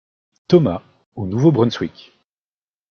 Thomas, au Nouveau-Brunswick.